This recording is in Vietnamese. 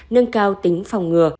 nâng cao tính phòng ngừa